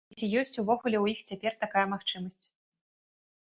І ці ёсць увогуле у іх цяпер такая магчымасць?